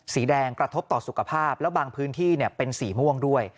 สีแดงกระทบต่อสุขภาพแล้วบางพื้นที่เป็นสีม่วงด้วย